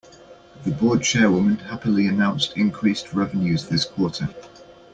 The board chairwoman happily announced increased revenues this quarter.